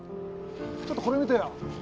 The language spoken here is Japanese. ちょっとこれ見てよ